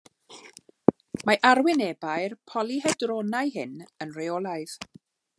Mae arwynebau'r polyhedronau hyn yn rheolaidd.